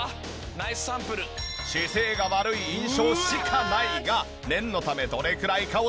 ナイスサンプル」姿勢が悪い印象しかないが念のためどれくらいかをチェック。